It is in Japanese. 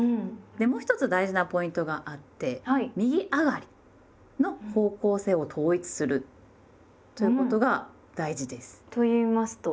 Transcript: でもう一つ大事なポイントがあって右上がりの方向性を統一するということが大事です。と言いますと？